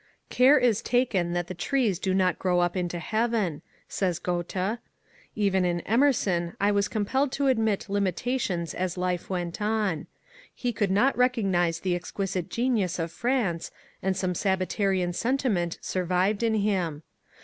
" Care is taken that the trees do not grow up into heaven," says Goethe. Even in Emerson I was compelled to admit limitations as life went on ; he could not recognize the exqui site genius of France, and some Sabbatarian sentiment sur vived in him.